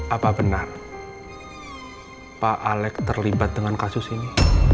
apa benar pak alec terlibat dengan kasus ini